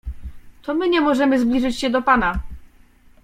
"To my nie możemy zbliżyć się do pana."